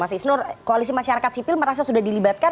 mas isnur koalisi masyarakat sipil merasa sudah dilibatkan